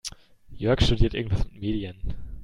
Jörg studiert irgendwas mit Medien.